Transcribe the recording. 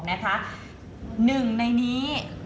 หนึ่งในนี้